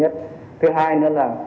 thứ hai là